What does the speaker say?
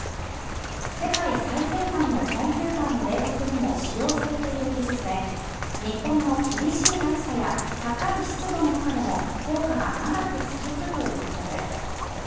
世界最先端のコンピューターの冷却にも使用されている技術で日本の厳しい暑さや高い湿度の中でも効果が長く続くということです。